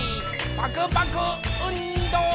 パクパクうんど！